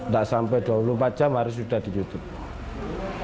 tidak sampai dua puluh empat jam harus sudah di youtube